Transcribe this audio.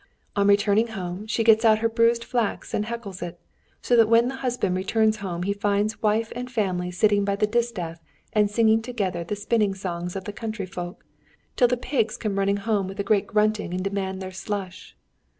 On returning home she gets out her bruised flax and heckles it, so that when the husband returns home he finds wife and family sitting by the distaff and singing together the spinning songs of the country folk, till the pigs come running home with a great grunting and demand their slush.